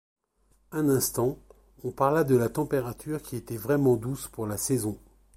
Un instant, on parla de la température qui était vraiment douce pour la saison.